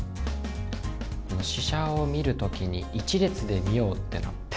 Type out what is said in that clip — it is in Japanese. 試写を見るときに、１列で見ようってなって。